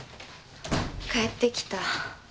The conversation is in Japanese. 帰ってきた。